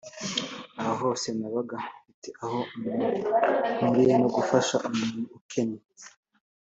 Aho hose nabaga mfite aho mpuriye no gufasha umuntu ukennye